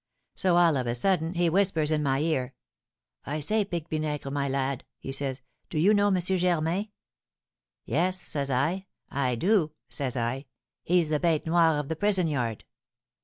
So, all of a sudden, he whispers in my ear, 'I say, Pique Vinaigre, my lad,' he says, 'do you know M. Germain?' 'Yes,' says I, 'I do,' says I; 'he's the bête noire of the prison yard.'"